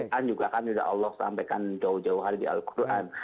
di quran juga kan sudah allah sampaikan jauh jauh hari di al quran